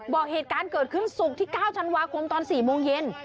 บอกเหตุการณ์เกิดขึ้นศุกร์ที่๙ธันวาคมตอน๔โมงเย็น